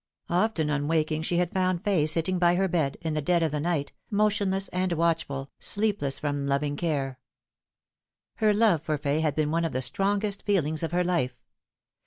Often on waking she had found Fay sitting by her bed, in the dead of the night, motionless and watchful, sleepless from loving care. Her love for Fay had been one of the strongest feelings of her life.